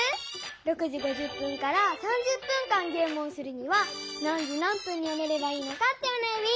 ６時５０分から３０分間ゲームをするには何時何分にやめればいいのかっておなやみ。